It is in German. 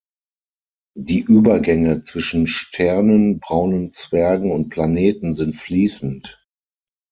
Die Übergänge zwischen Sternen, Braunen Zwergen und Planeten sind fließend.